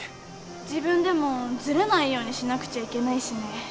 自分でもずれないようにしなくちゃいけないしね。